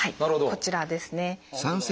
こちらですね。